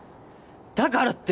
だからって。